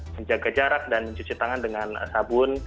menjaga jarak dan mencuci tangan dengan sabun